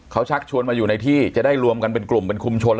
เขาชักชวนมาอยู่ในที่จะได้รวมกันเป็นกลุ่มเป็นชุมชน